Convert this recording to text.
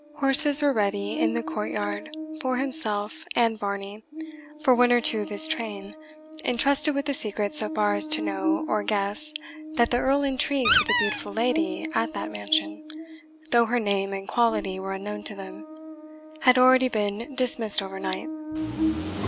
Horses were ready in the courtyard for himself and Varney; for one or two of his train, intrusted with the secret so far as to know or guess that the Earl intrigued with a beautiful lady at that mansion, though her name and duality were unknown to them, had already been dismissed over night.